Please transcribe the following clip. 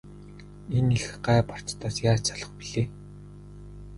Энэ их гай барцдаас яаж салах билээ?